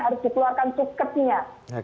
harus dikeluarkan cukupnya